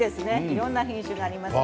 いろんな品種があります。